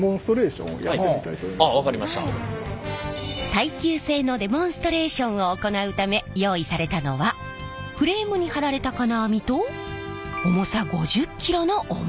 耐久性のデモンストレーションを行うため用意されたのはフレームに張られた金網と重さ５０ｋｇのおもり！